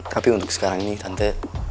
tapi untuk sekarang ini tante